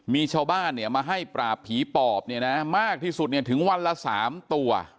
มีชาวบ้านเนี่ยมาให้ปราบผีปอบเนี่ยนะมากที่สุดเนี่ยถึงวันละ๓ตัว